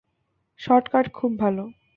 Shot কাট, খুব ভালো।